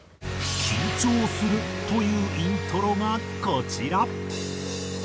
緊張するというイントロがこちら。